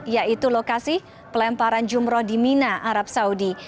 yaitu lokasi pelemparan jumroh di mina arab saudi